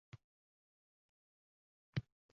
Bu odam yo jinni va yoki ahmoq